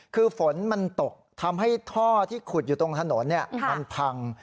คือฝนมันตกทำให้ท่อที่ขุดอยู่ตรงถนนมันพัง